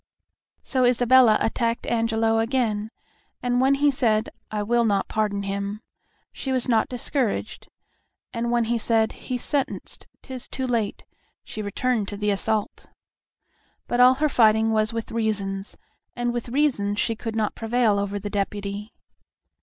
So Isabella attacked Angelo again, and when he said, "I will not pardon him," she was not discouraged, and when he said, "He's sentenced; 'tis too late," she returned to the assault. But all her fighting was with reasons, and with reasons she could not prevail over the Deputy.